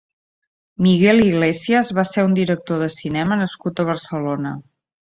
Miguel Iglesias va ser un director de cinema nascut a Barcelona.